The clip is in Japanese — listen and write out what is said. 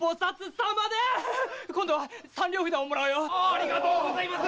ありがとうございます！